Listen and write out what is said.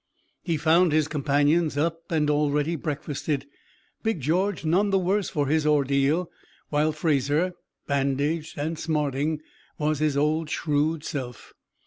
He found his companions up and already breakfasted, Big George none the worse for his ordeal, while Fraser, bandaged and smarting, was his old shrewd self.